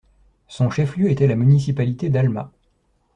Son chef-lieu était la municipalité d'Alma.